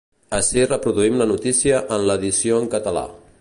Ací reproduïm la notícia en l’edició en català.